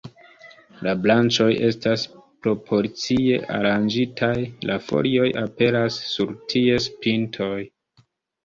La branĉoj estas proporcie aranĝitaj, la folioj aperas sur ties pintoj.